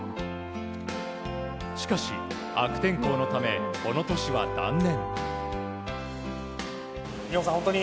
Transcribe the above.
しかし、悪天候のためこの年は断念。